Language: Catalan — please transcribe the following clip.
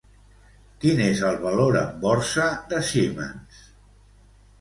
Quin és el valor en borsa de Siemens?